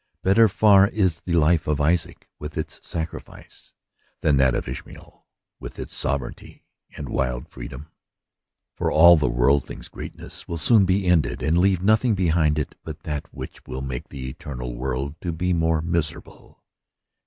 Better far is the life of Isaac with its sacrifice, than that of Ishmael with its sovereignty and wild freedom ; for all the worldling's greatness will soon be ended and leave nothing behind it but that which will make the eternal world to be the more miserable.